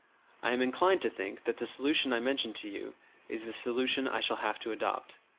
I am inclined to think that the solution I mentioned to you is the solution I shall have to adopt.